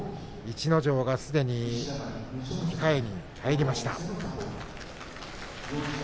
逸ノ城は、すでに控えに入りました。